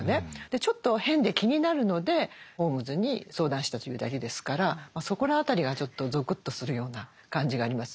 ちょっと変で気になるのでホームズに相談したというだけですからそこら辺りがちょっとぞくっとするような感じがありますね。